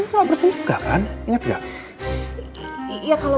wah seluruh kapit movie maksudku